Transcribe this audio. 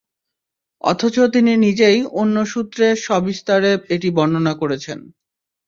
অথচ তিনি নিজেই অন্য সূত্রে সবিস্তারে এটি বর্ণনা করেছেন।